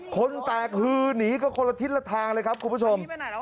คนแตกฮือหนีกันคนละทิศละทางเลยครับคุณผู้ชม